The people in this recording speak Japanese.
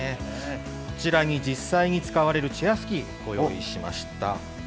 こちらに実際に使われるチェアスキー、ご用意しました。